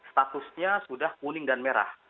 statusnya sudah kuning dan merah